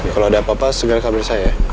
kalau ada apa apa segera kabin saya ya